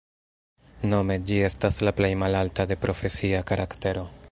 Nome ĝi estas la plej malalta de profesia karaktero.